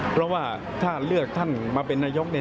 พร้อมว่าถ้าเลือกท่านมาเป็นนายกใด